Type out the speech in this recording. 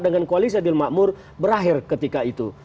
dengan koalisi adil makmur berakhir ketika itu